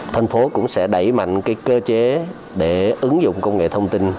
thành phố cũng sẽ đẩy mạnh cơ chế để ứng dụng công nghệ thông tin